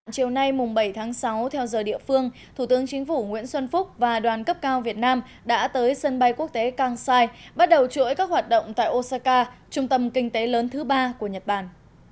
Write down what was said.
chiều nay bảy tháng sáu theo giờ địa phương thủ tướng chính phủ nguyễn xuân phúc và đoàn cấp cao việt nam đã tới sân bay quốc tế kansai bắt đầu chuỗi các hoạt động tại osaka trung tâm kinh tế lớn thứ ba của nhật bản